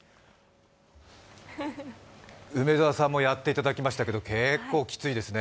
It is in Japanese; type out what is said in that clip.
梅澤さんもやっていただきましたけど、結構きついですね。